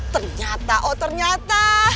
ternyata oh ternyata